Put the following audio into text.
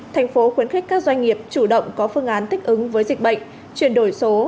thành phố khuyến khích các doanh nghiệp chủ động có phương án thích ứng với dịch bệnh chuyển đổi số